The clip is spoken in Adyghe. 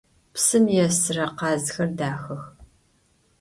Psım yêsıre khazxer daxex.